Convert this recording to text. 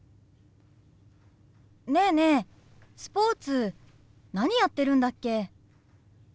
ねえねえスポーツ何やってるんだっけ？